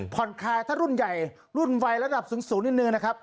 ผ่อนคลายถ้ารุ่นใหญ่รุ่นวัยระดับสูงนิดนึงนะครับ